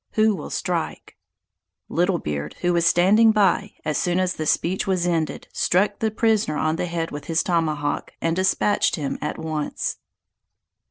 Who will strike?" Little Beard, who was standing by, as soon as the speech was ended, struck the prisoner on the head with his tomahawk, and despatched him at once!